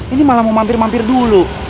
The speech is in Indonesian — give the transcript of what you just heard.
ini malah mau mampir mampir dulu